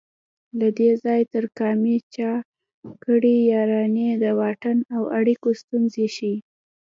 له دې ځای تر کامې چا کړي یارانې د واټن او اړیکو ستونزې ښيي